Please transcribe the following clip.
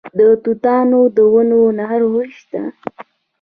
د توتانو د ونو ناروغي شته؟